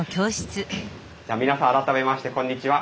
じゃあ皆さん改めましてこんにちは。